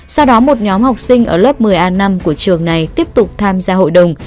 sau đó một nhóm học sinh ở lớp một mươi a năm của trường này tiếp tục tham gia hội đồng